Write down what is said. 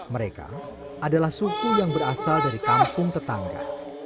mereka adalah suku yang berasal dari kampung tetangga